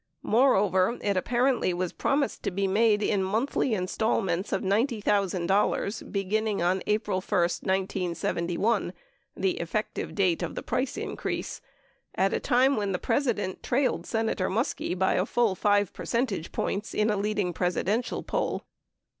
Moreover, it apparently was promised to be made in month 1a installments of $90,000 beginning on April 1, 1971 (the effective date of the price increase) at a time when the President trailed Senator Muskie by a full 5 percentage points in a leading Presidential poll.